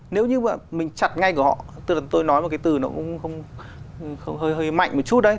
nếu như mà mình chặt ngay của họ tôi nói một cái từ nó cũng hơi mạnh một chút đấy